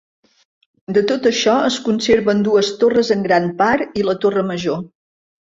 De tot això, es conserven dues torres en gran part i la torre major.